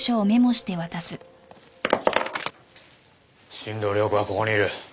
新堂亮子はここにいる。